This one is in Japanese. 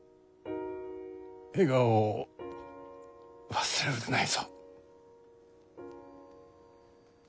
笑顔を忘れるでないぞ。